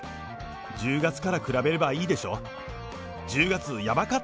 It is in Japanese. １０月から比べればいいでしょう。